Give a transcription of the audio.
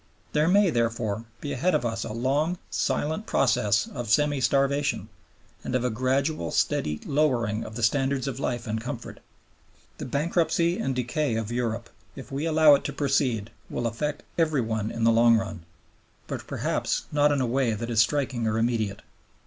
There may, therefore, be ahead of us a long, silent process of semi starvation, and of a gradual, steady lowering of the standards of life and comfort. The bankruptcy and decay of Europe, if we allow it to proceed, will affect every one in the long run, but perhaps not in a way that is striking or immediate.